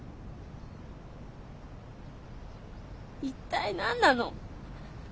一体何なの！